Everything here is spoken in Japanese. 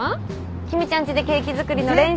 君ちゃんちでケーキ作りの練習。